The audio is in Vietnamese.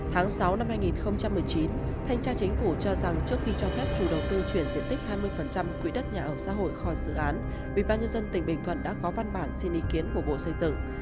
tháng sáu năm hai nghìn một mươi chín thanh tra chính phủ cho rằng trước khi cho phép chủ đầu tư chuyển diện tích hai mươi quỹ đất nhà ở xã hội khỏi dự án ubnd tỉnh bình thuận đã có văn bản xin ý kiến của bộ xây dựng